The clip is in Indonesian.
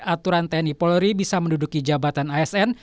aturan tni polri bisa menduduki jabatan asn